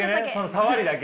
さわりだけ。